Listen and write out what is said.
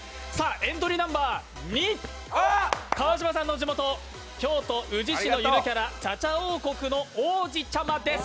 エントリーナンバー２川島さんの地元京都・宇治市のご当地キャラチャチャ王国のおうじちゃまです。